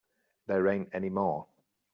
There ain't any more.